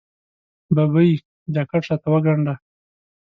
ببۍ! جاکټ راته وګنډه.